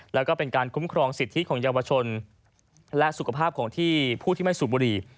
แล้วก็เป็นการคุ้มครองสิทธิของเยาวชนและสุขภาพของที่ผู้ที่ไม่สูบบุหรี่